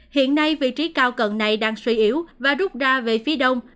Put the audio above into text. hiện nay vị trí cao cận này đang suy yếu và rút ra về phía đông